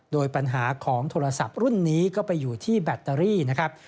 โดยปัญหาของโทรศัพท์รุ่นนี้ก็ไปอยู่ที่แบตเตอรี่นะครับ